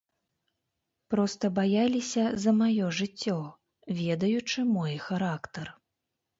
Проста баяліся за маё жыццё, ведаючы мой характар.